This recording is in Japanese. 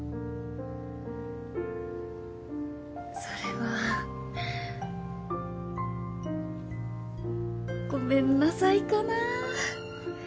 それは。ごめんなさいかな。